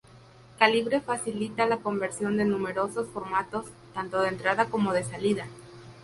Calibre facilita la conversión de numerosos formatos, tanto de entrada como de salida.